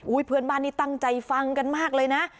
เพื่อนบ้านนี้ตั้งใจฟังกันมากเลยนะ